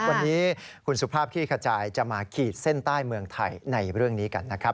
วันนี้คุณสุภาพขี้ขจายจะมาขีดเส้นใต้เมืองไทยในเรื่องนี้กันนะครับ